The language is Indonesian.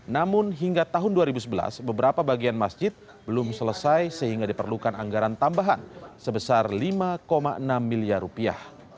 namun hingga tahun dua ribu sebelas beberapa bagian masjid belum selesai sehingga diperlukan anggaran tambahan sebesar lima enam miliar rupiah